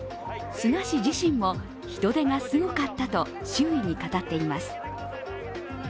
菅氏自身も人出がすごかったと周囲に語っています。